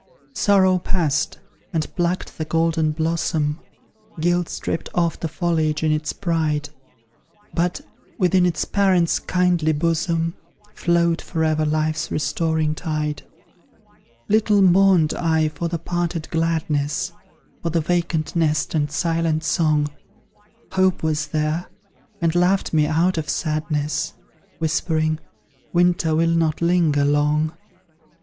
Sorrow passed, and plucked the golden blossom; Guilt stripped off the foliage in its pride But, within its parent's kindly bosom, Flowed for ever Life's restoring tide. Little mourned I for the parted gladness, For the vacant nest and silent song Hope was there, and laughed me out of sadness; Whispering, "Winter will not linger long!"